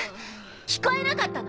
聞こえなかったの？